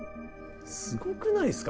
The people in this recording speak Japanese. すごくないですか？